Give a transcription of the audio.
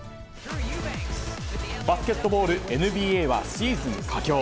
バスケットボールＮＢＡはシーズン佳境。